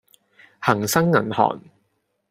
恒生銀行